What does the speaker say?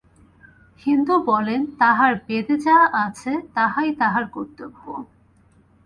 হিন্দু বলেন, তাঁহার বেদে যাহা আছে, তাহাই তাঁহার কর্তব্য।